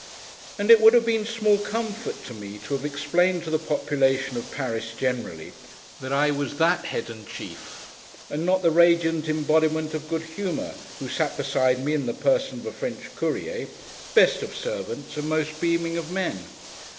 And it would have been small comfort to me to have explained to the population of Paris generally, that I was that Head and Chief; and not the radiant embodiment of good humour who sat beside me in the person of a French Courier—best of servants and most beaming of men!